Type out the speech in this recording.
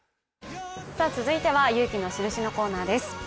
続いては「勇気のシルシ」のコーナーです。